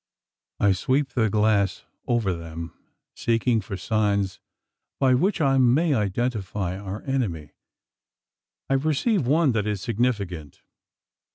I sweep the glass over them, seeking for signs by which I may identify our enemy. I perceive one that is significant.